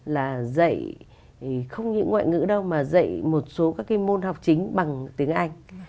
là dạy không những ngoại ngữ đâu mà dạy một số các cái môn học chính bằng tiếng anh